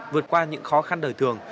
vượt qua những khó khăn đời thường